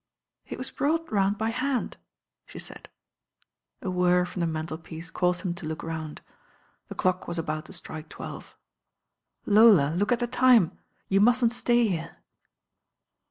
"It was bi^ought round by hand," she said. A whirr from the mantelpiece caused him to look round. The clock was about to strike twelve. "Lola, look at the time. You mustn't stay here."